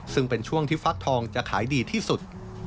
ซึ่งเป็นช่วงที่ฟักทองจะขายดีที่สุด